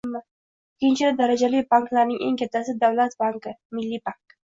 Ikkinchi darajali banklarning eng kattasi - davlat banki - Milliy bank